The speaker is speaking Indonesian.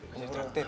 saya jadi traktir